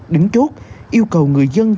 đứng chốt yêu cầu người dân